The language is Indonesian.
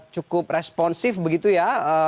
cukup responsif begitu ya